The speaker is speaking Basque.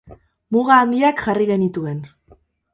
Muga handiak jarri genituen.